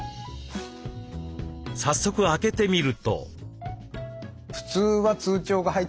早速開けてみると。